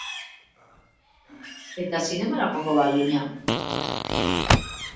Eta zinemara joango bagina?